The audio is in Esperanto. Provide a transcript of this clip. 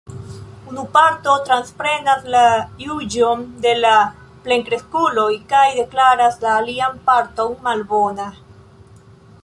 Unu parto transprenas la juĝon de la plenkreskuloj kaj deklaras la alian parton malbona.